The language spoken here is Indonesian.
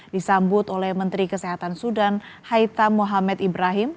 disambut oleh menteri kesehatan sudan haita mohamed ibrahim